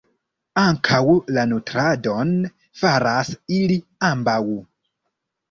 Ankaŭ la nutradon faras ili ambaŭ.